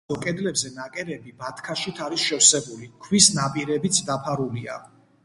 საფასადო კედლებზე ნაკერები ბათქაშით არის შევსებული, ქვის ნაპირებიც დაფარულია.